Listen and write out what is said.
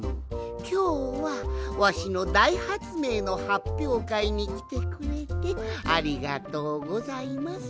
きょうはわしのだいはつめいのはっぴょうかいにきてくれてありがとうございます。